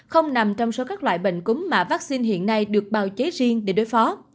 không nằm trong số các loại bệnh cúm mà vaccine hiện nay được bào chế riêng để đối phó